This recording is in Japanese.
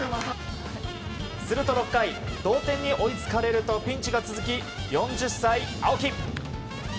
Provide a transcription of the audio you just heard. すると６回同点に追いつかれるとピンチが続き、４０歳、青木。